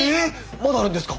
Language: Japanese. まだあるんですか？